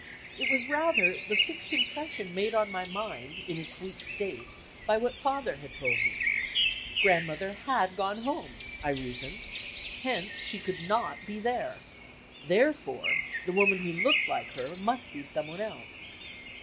It was rather the fixed impression made on my mind in its weak state by what Father had told me. Grandmother had gone home, I reasoned, hence, she could net be there. Therefore, the wonuui who looked like her must be some one else.